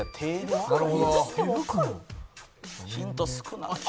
ヒント少なっ。